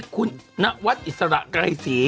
คุณนวัดอิสระไกรศรี